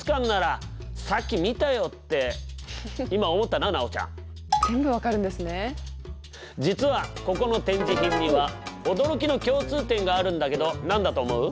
なんだ実はここの展示品には驚きの共通点があるんだけど何だと思う？